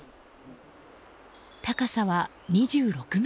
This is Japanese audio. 高さは２６ｍ。